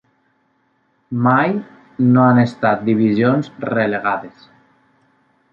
Mai no han estat divisions relegades.